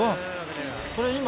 これ今？